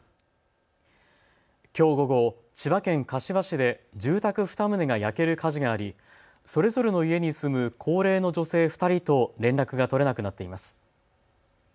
きょう午後、千葉県柏市で住宅２棟が焼ける火事がありそれぞれの家に住む高齢の女性２人と連絡が取れなくなっています。